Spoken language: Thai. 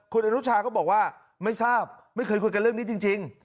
คุณอนุชาก็บอกว่าไม่ทราบไม่เคยคุยกันเรื่องนี้จริง